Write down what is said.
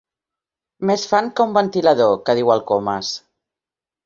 Més fan que un ventilador, que diu el Comas.